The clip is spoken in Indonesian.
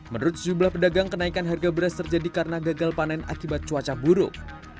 menurut sejumlah pedagang kenaikan harga beras terjadi karena gagal panen akibat cuaca buruk